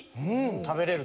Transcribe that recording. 食べれる。